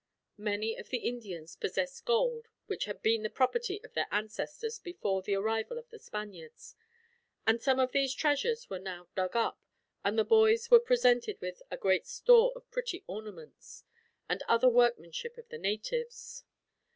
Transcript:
Many of the Indians possessed gold, which had been the property of their ancestors before the arrival of the Spaniards; and some of these treasures were now dug up, and the boys were presented with a great store of pretty ornaments, and other workmanship of the natives.